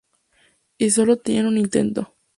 Y sólo tenían un intento.